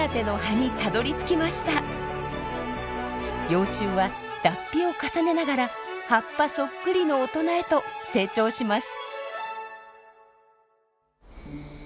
幼虫は脱皮を重ねながら葉っぱそっくりの大人へと成長します。